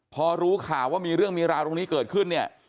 พอรู้ข่าวว่ามีเรื่องมีราวตรงนี้เกิดขึ้นเนี่ย